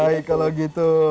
baik kalau gitu